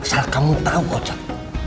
asal kamu tau ocat